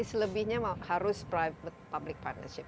selebihnya harus private public partnership